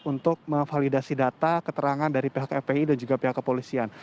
untuk memvalidasi data keterangan dari pihak fpi dan juga pihak kepolisian